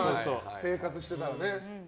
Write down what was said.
生活してたらね。